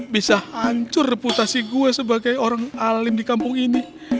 bisa hancur reputasi gue sebagai orang alim di kampung ini